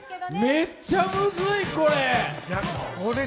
めっちゃむずい、これ。